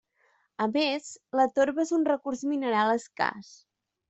A més, la torba és un recurs mineral escàs.